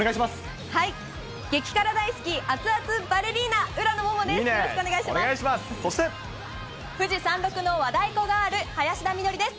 激辛大好き、熱々バレリーナ、浦野モモです。